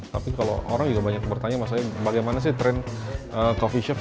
tapi kalau orang juga banyak bertanya maksudnya bagaimana sih tren coffee shop